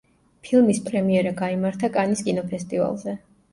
ფილმის პრემიერა გაიმართა კანის კინოფესტივალზე.